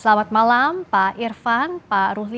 selamat malam pak irvan pak ruhli